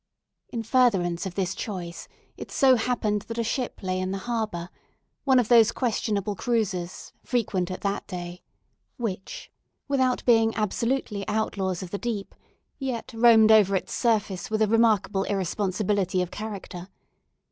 In furtherance of this choice, it so happened that a ship lay in the harbour; one of those unquestionable cruisers, frequent at that day, which, without being absolutely outlaws of the deep, yet roamed over its surface with a remarkable irresponsibility of character.